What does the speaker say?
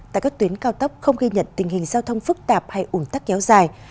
tại các tuyến cao tốc không ghi nhận tình hình giao thông phức tạp hay ủn tắc kéo dài